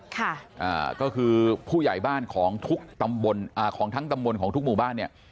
ค่ะก็คือผู้ใหญ่บ้านของทั้งตำบลของทุกหมู่บ้านเนี่ย